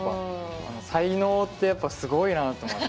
才能ってやっぱすごいなと思って。